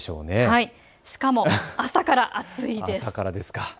しかも朝から暑いんです。